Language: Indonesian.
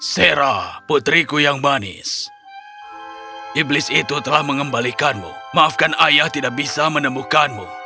serah putriku yang manis iblis itu telah mengembalikanmu maafkan ayah tidak bisa menemukanmu